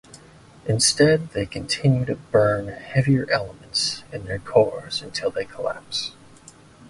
Instead they continue to burn heavier elements in their cores until they collapse.